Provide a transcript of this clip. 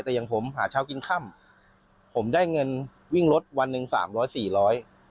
แต่อย่างผมหาเช้ากินค่ำผมได้เงินวิ่งรถวันหนึ่งสามร้อยสี่ร้อย